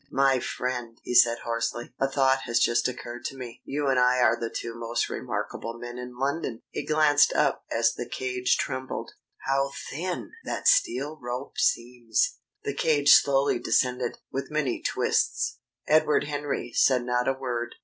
"My friend," he said hoarsely, "a thought has just occurred to me: you and I are the two most remarkable men in London!" He glanced up as the cage trembled. "How thin that steel rope seems!" The cage slowly descended, with many twists. Edward Henry said not a word.